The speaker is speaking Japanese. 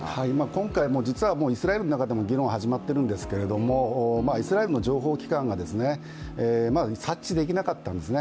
今回、実はイスラエルの中でも議論始まっているんですけれどもイスラエルの情報機関が察知できなかったんですね。